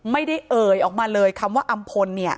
ไม่ได้เอ่ยออกมาเลยคำว่าอำพล